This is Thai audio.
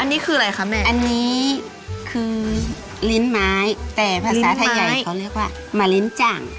อันนี้คืออะไรคะแม่อันนี้คือลิ้นไม้แต่ภาษาไทยใหญ่เขาเรียกว่ามาลิ้นจ่าง